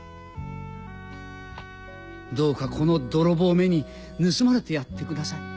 どうかこの泥棒めに盗まれてやってください。